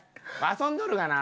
遊んどるがな。